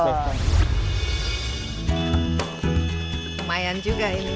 pernah ganti juga ini